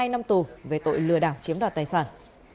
một mươi hai năm tù về tội lừa đảo chiếm đoạt tài sản